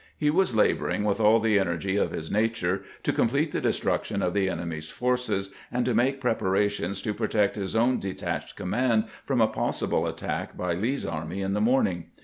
He was laboring with all the energy of his nature to complete the destruction of the enemy's forces, and to make preparations to protect his own detached command from a possible attack by Lee's army in the morning.